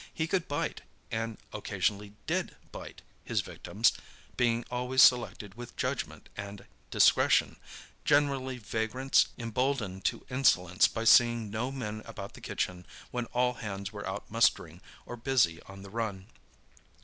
He could bite, and occasionally did bite, his victims being always selected with judgment and discretion, generally vagrants emboldened to insolence by seeing no men about the kitchen when all hands were out mustering or busy on the run.